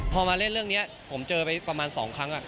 พอมาเล่นเรื่องนี้ผมเจอไปประมาณ๒ครั้ง